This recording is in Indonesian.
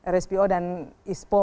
rspo dan ispo